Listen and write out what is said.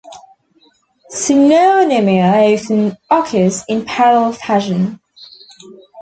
Synonymia often occurs in parallel fashion.